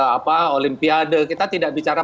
apa olimpiade kita tidak bicara